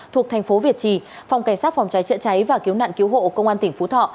thuộc thành phố việt trì phòng cảnh sát phòng cháy chữa cháy và cứu nạn cứu hộ công an tỉnh phú thọ